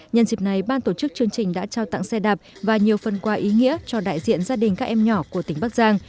nhân dịp này ban tổ chức chương trình đã trao tặng xe đạp và nhiều phần quà ý nghĩa cho đại diện gia đình các em nhỏ của tỉnh bắc giang